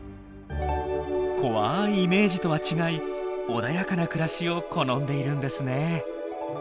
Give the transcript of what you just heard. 怖いイメージとは違い穏やかな暮らしを好んでいるんですね。